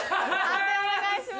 判定お願いします。